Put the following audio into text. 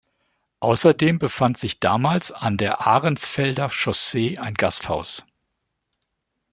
Außerdem befand sich damals an der Ahrensfelder Chaussee ein Gasthaus.